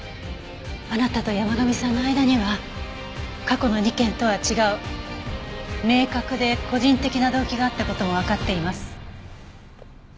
あなたと山神さんの間には過去の２件とは違う明確で個人的な動機があった事もわかっています。